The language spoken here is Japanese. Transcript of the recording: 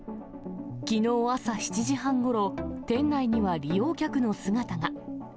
きのう朝７時半ごろ、店内には利用客の姿が。